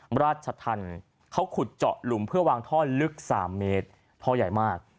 ราชธรรมเขาขุดเจาะหลุมเพื่อวางท่อลึก๓เมตรท่อใหญ่มาก